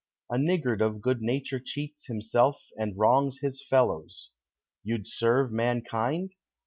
A niggard of good nature cheats Himself and wrongs his fellows. You'd serve mankind?